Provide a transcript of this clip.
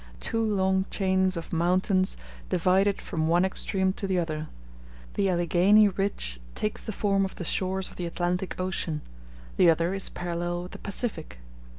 Two long chains of mountains divide it from one extreme to the other; the Alleghany ridge takes the form of the shores of the Atlantic Ocean; the other is parallel with the Pacific.